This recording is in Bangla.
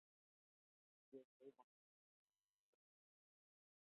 এই পদটি "পরিবর্তনশীল পদ" হিসাবেও পরিচিত।